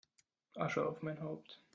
Asche auf mein Haupt!